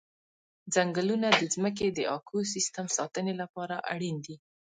ځنګلونه د ځمکې د اکوسیستم ساتنې لپاره اړین دي.